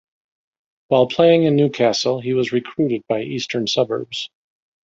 While playing in Newcastle he was recruited by Eastern Suburbs.